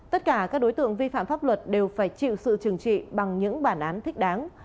tất cả các đối tượng vi phạm pháp luật đều phải chịu sự trừng trị bằng những bản án thích đáng